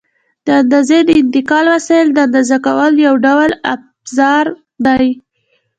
د اندازې د انتقال وسایل د اندازه کولو یو ډول افزار دي.